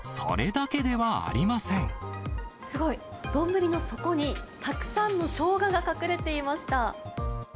すごい、丼の底にたくさんのショウガが隠れていました。